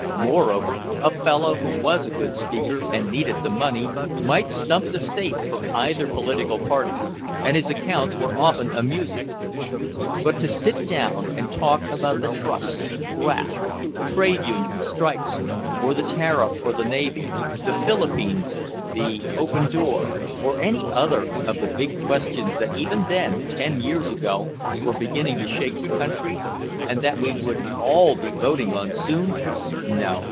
Moreover, a fellow who was a good speaker, and needed the money, might stump the state for either political party, and his accounts were often amusing. But to sit down and talk about the trusts, graft, trade unions, strikes, or the tariff or the navy, the Philippines, "the open door," or any other of the big questions that even then, ten years ago, were beginning to shake the country, and that we would all be voting on soon? No.